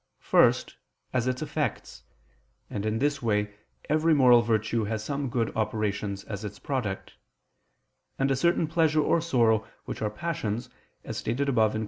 First, as its effects; and in this way every moral virtue has some good operations as its product; and a certain pleasure or sorrow which are passions, as stated above (Q.